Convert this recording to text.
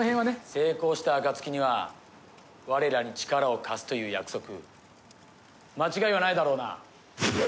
成功した暁には我らに力を貸すという約束間違いはないだろうな？